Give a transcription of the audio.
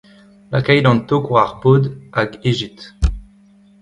Lakait an tok war ar pod hag hejit.